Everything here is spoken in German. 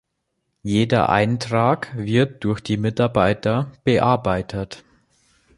Jeder Eintrag wird durch die Mitarbeiter bearbeitet.